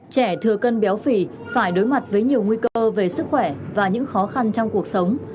trẻ thừa cân béo phì phải đối mặt với nhiều nguy cơ về sức khỏe và những khó khăn trong cuộc sống